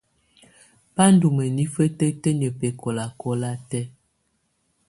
Bá ndù mǝnifǝ titǝniǝ́ bɛkɔlakɔla tɛ̀á.